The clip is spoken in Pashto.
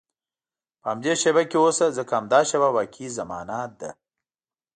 په همدې شېبه کې اوسه، ځکه همدا شېبه واقعي زمانه ده.